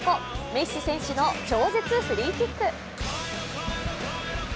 メッシ選手の超絶フリーキック。